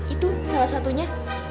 itu salah satunya